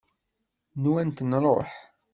Nwant nruḥ.